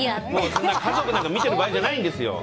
家族なんか見てる場合じゃないんですよ。